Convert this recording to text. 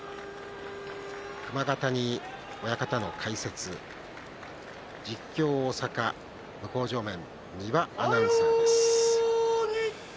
熊ヶ谷親方の解説実況、大坂向正面三輪アナウンサーです。